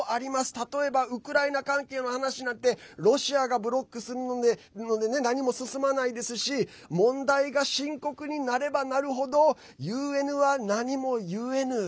例えばウクライナ関連の話なんてロシアがブロックするので何も進まないですし問題が深刻になればなるほどＵＮは何もゆえぬ。